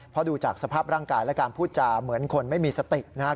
เพราะดูจากสภาพร่างกายและการพูดจาเหมือนคนไม่มีสตินะครับ